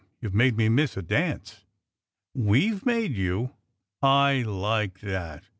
You ve made me miss a dance." "We ve made you? I like that!"